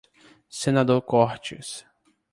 Senador Cortes